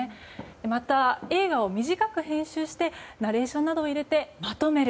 また、映画を短く編集してナレーションなどを入れてまとめる。